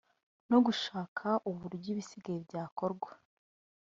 no gushaka uburyo ibisigaye byakorwa